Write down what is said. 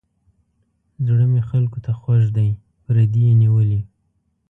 زړه مې خلکو ته خوږ دی پردي یې نیولي.